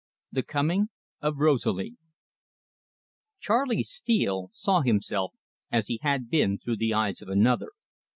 THE COMING OF ROSALIE Charley Steele saw himself as he had been through the eyes of another.